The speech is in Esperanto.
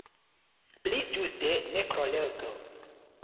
Pli ĝuste nekrologo!